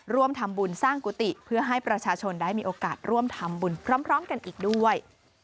ร่วมทำบุญสร้างกุฏิเพื่อให้ประชาชนได้มีโอกาสร่วมทำบุญพร้อมกันอีกด้วย